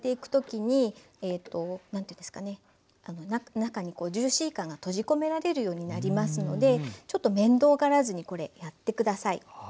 中にジューシー感が閉じ込められるようになりますのでちょっと面倒がらずにこれやって下さい。